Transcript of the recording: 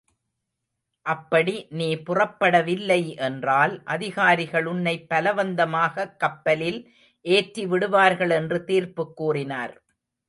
அப்படி நீ புறப்படவில்லை என்றால் அதிகாரிகள் உன்னை பலவந்தமாகக் கப்பலில் ஏற்றி விடுவார்கள் என்று தீர்ப்புக்கூறினார்.